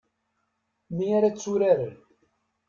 Mi ara tturaren.